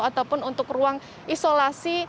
ataupun untuk ruang isolasi